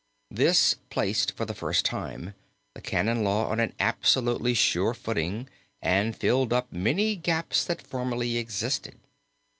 This placed for the first time the canon law on an absolutely sure footing and filled up many gaps that formerly existed.